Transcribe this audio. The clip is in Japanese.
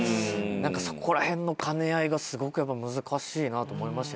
そこら辺の兼ね合いがすごく難しいなと思いました。